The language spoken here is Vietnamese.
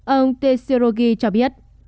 ông tetsurogi cho biết